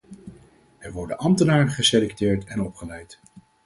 Er worden ambtenaren geselecteerd en opgeleid.